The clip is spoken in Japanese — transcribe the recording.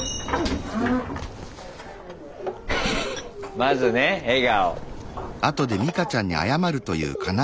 まずね笑顔。